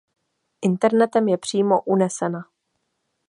Internetem je přímo unesena.